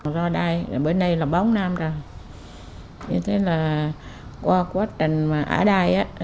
do đai bữa nay là bóng nam rồi như thế là qua quá trình ả đai